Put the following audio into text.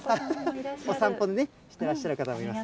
お散歩してらっしゃる方もいますが。